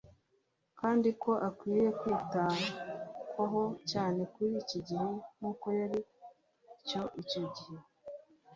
kandi ko akwiriye kwitabwaho cyane muri iki gihe nk'uko yari ari icyo gihe